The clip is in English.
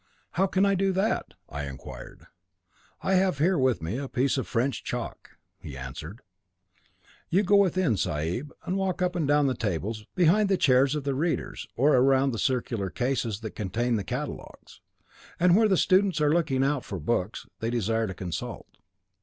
'How can I do that?' I inquired. 'I have here with me a piece of French chalk,' he answered. 'You go within, sahib, and walk up and down by the tables, behind the chairs of the readers, or around the circular cases that contain the catalogues, and where the students are looking out for the books they desire to consult.